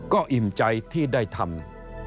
ก็อิ่มใจที่ได้ทำ